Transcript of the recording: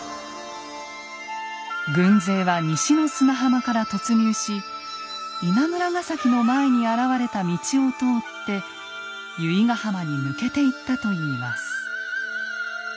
軍勢は西の砂浜から突入し稲村ヶ崎の前に現れた道を通って由比ガ浜に抜けていったといいます。